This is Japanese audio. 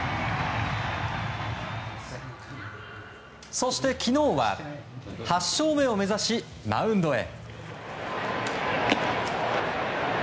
そして昨日は８勝目を目指し、マウンドへ。